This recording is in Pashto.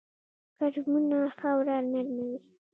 کرمونه خاوره نرموي